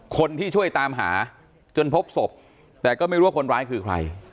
คนที่ช่วยตามหาจนพบศพแต่ก็ไม่รู้ว่าคนร้ายคือใคร